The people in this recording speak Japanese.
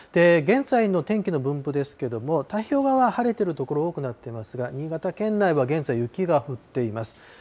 現在の天気の分布ですけれども、太平洋側は晴れてる所多くなっていますが、新潟県内は現在雪が降っています。